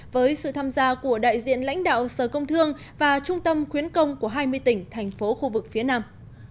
với sự tham gia của đại diện lãnh đạo sở công thương và trung tâm khuyến công của hai mươi tỉnh thành phố khu vực phía nam